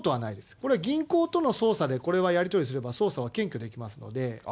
これは銀行との捜査でこれはやり取りすれば、捜査は検挙できますので。